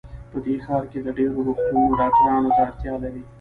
په دې ښار کې ډېر روغتونونه ډاکټرانو ته اړتیا لري